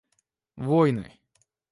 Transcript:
войны